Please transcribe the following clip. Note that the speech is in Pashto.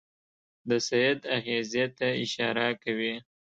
د سید اغېزې ته اشاره کوي.